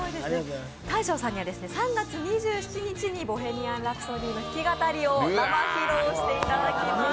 大昇さんには３月２７日に「ボヘミアン・ラプソディ」の弾き語りを生披露していただきます。